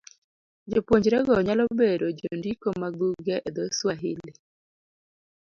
Jopuonjrego nyalo bedo jondiko mag buge e dho - Swahili.